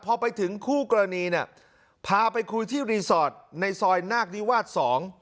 พอไปถึงคู่กรณีเนี่ยพาไปคุยที่รีสอร์ทในซอยนาคนิวาสสอง